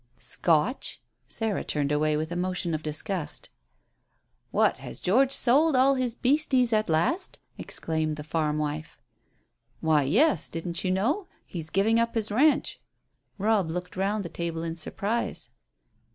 "Scotch?" Sarah turned away with a motion of disgust. "What, has George sold all his beasties at last?" exclaimed the farm wife. "Why, yes. Didn't you know? He's giving up his ranch." Robb looked round the table in surprise.